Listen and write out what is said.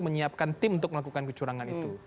menyiapkan tim untuk melakukan kecurangan itu